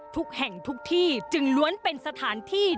ทุกแห่งทุกที่จึงล้วนเป็นสถานที่